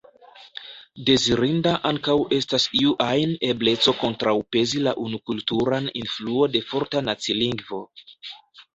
Dezirinda ankaŭ estas iu ajn ebleco kontraŭpezi la unukulturan influon de forta nacilingvo.